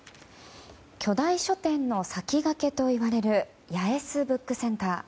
巨大書店の先駆けといわれる八重洲ブックセンター。